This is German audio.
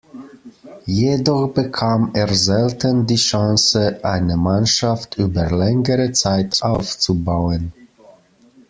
Jedoch bekam er selten die Chance, eine Mannschaft über längere Zeit aufzubauen.